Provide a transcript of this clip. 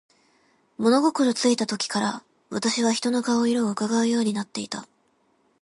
物心ついた時から、私は人の顔色を窺うようになっていた。